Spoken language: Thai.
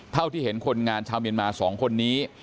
เท่าที่เห็นคนงานชาวเมียนมา๒คนนี้